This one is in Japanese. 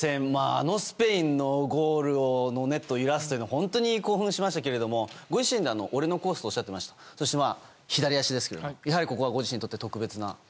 あのスペインのゴールネットを揺らすというのは本当に興奮しましたけれどもご自身では俺のコースとおっしゃっていました左足ですけどやはりここはご自身にとって特別な？